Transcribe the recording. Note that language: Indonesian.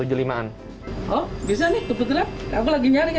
oh bisa nih tepat tepat aku lagi nyari